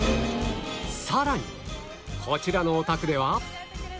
さらにこちらのお宅では